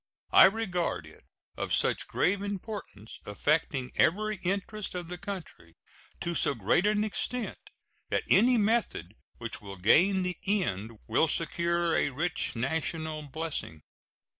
I regard it of such grave importance, affecting every interest of the country to so great an extent, that any method which will gain the end will secure a rich national blessing.